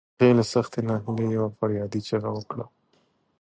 هغې له سختې ناهيلۍ يوه فریادي چیغه وکړه.